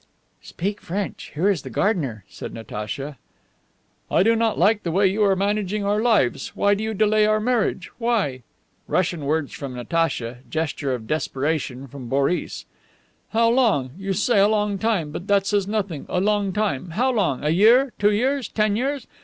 "Speak French; here is the gardener," said Natacha. "I do not like the way you are managing our lives. Why do you delay our marriage? Why?" (Russian words from Natacha. Gesture of desperation from Boris.) "How long? You say a long time? But that says nothing a long time. How long? A year? Two years? Ten years?